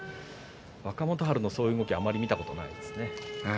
若元春もそういう動きはあまり見たことがないですね。